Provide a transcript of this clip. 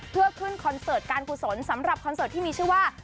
เพื่อขึ้นคอนเสิร์ตการกุศลสำหรับคอนเสิร์ตที่มีชื่อว่า